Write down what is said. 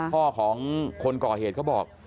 พ่อของคนก่อเหตุเขาบอก